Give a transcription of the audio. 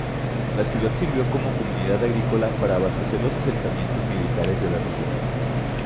La ciudad sirvió como comunidad agrícola para abastecer los asentamientos militares de la región.